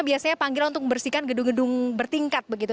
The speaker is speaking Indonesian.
biasanya panggilan untuk membersihkan gedung gedung bertingkat begitu